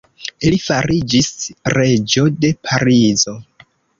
Li fariĝis reĝo de Parizo.